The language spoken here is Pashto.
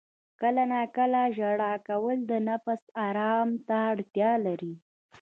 • کله ناکله ژړا کول د نفس آرام ته اړتیا لري.